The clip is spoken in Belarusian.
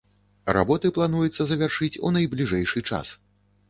Работы плануецца завяршыць у найбліжэйшы час.